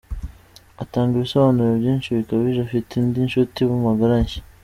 Atanga ibisobanuro byinshi bikabije, afite indi nshuti magara nshya